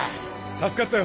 助かったよ